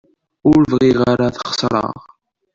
Ur bɣiɣ ara ad xeṣreɣ.